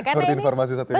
seperti informasi satu ini